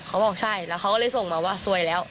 เขาบอกใช่แล้วเขาก็เลยส่งมาว่าซวยแล้ว